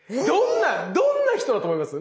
どんな人だと思います？